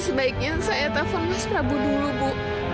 sebaiknya saya telfon mas prabu dulu bu